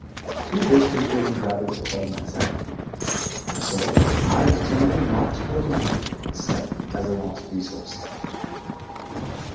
He wished me to unravel the coil myself, and so I determined not to go to him except as a last resource.